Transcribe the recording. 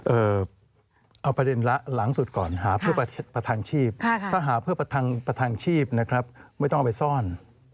เอาประเด็นละหลังสุดก่อนหาเพื่อประทังชีพถ้าหาเพื่อประทังชีพนะครับไม่ต้องเอาไปซ่อน